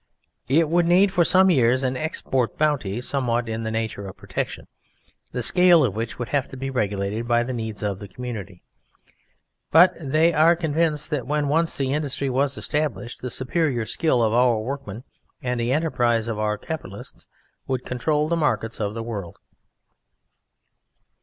It would need for some years an export Bounty somewhat in the nature of Protection, the scale of which would have to be regulated by the needs of the community, but they are convinced that when once the industry was established, the superior skill of our workmen and the enterprise of our capitalists would control the markets of the world.